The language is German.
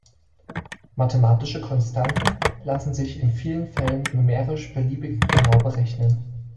Mathematische Konstanten lassen sich in vielen Fällen numerisch beliebig genau berechnen.